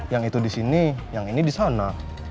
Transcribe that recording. yang itu di sini yang ini di sana